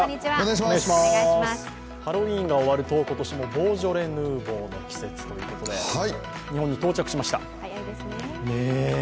ハロウィーンが終わると今年もボージョレ・ヌーボーの季節ということで、早いですね。